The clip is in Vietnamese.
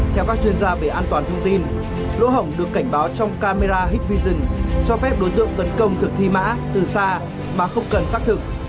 theo các chuyên gia về an toàn thông tin lỗ hổng được cảnh báo trong camera hec vision cho phép đối tượng tấn công thực thi mã từ xa mà không cần xác thực